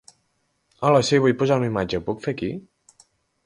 Hola, sí, vull posar una imatge, ho puc fer per aquí?